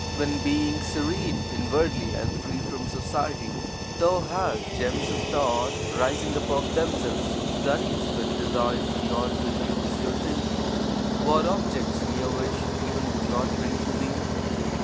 When, being serene inwardly and free from society, thou hast gems of thought rising up of themselves (i.e., when desires do not induce your thinking), what objects mere wish (even) would not bring to thee?